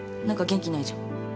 何か元気ないじゃん。